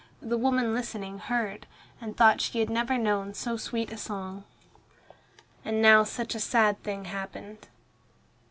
The woman listening heard, and thought she had never known so sweet a song. And now such a sad thing happened.